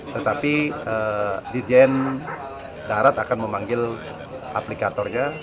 tetapi di jen darat akan memanggil aplikatornya